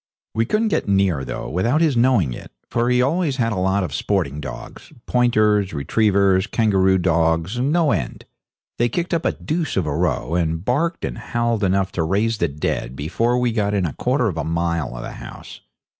We couldn't get near, though, without his knowing it, for he always had a lot of sporting dogs pointers, retrievers, kangaroo dogs, no end. They kicked up a deuce of a row, and barked and howled enough to raise the dead, before we got within a quarter of a mile from the house.